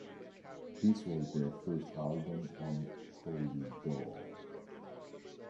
This was their first album on Polydor.